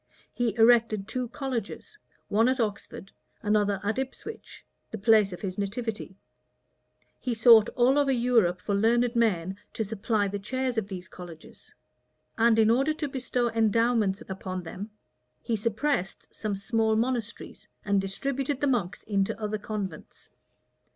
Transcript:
He erected two colleges, one at Oxford, another at Ipswich, the place of his nativity: he sought all over Europe for learned men to supply the chairs of these colleges; and in order to bestow endowments on them, he suppressed some smaller monasteries, and distributed the monks into other convents.